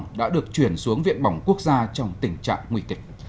nạn nhân đã được chuyển xuống viện bỏng quốc gia trong tình trạng nguy kịch